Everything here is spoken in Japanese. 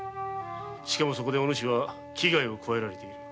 しかもそこでお主は危害を加えられている。